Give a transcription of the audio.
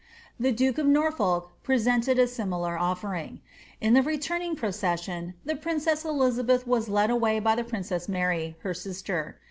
The duke of Norfolk presented a similai offering. In the returning procession, the princess Elizabeth was led away by the princess Mary, her sister.